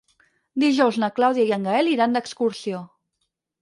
Dijous na Clàudia i en Gaël iran d'excursió.